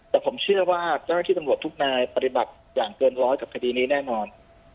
แต่ผมเชื่อว่าเจ้าหน้าที่ตำรวจทุกนายปฏิบัติอย่างเกินร้อยกับคดีนี้แน่นอน